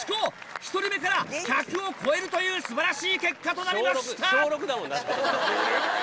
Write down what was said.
１人目から１００を超えるという素晴らしい結果となりました！